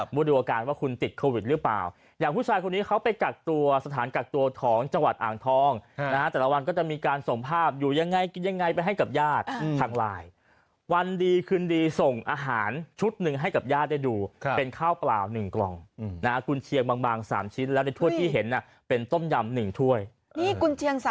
ดูอาการว่าคุณติดโควิดหรือเปล่าอย่างผู้ชายคนนี้เขาไปกักตัวสถานกักตัวของจังหวัดอ่างทองนะฮะแต่ละวันก็จะมีการส่งภาพอยู่ยังไงกินยังไงไปให้กับญาติทางไลน์วันดีคืนดีส่งอาหารชุดหนึ่งให้กับญาติได้ดูเป็นข้าวเปล่า๑กล่องนะฮะกุญเชียงบาง๓ชิ้นแล้วในถ้วยที่เห็นน่ะเป็นต้มยำ๑ถ้วย